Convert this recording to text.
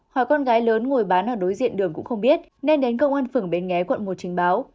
hai con gái lớn ngồi bán ở đối diện đường cũng không biết nên đến công an phường bến nghé quận một trình báo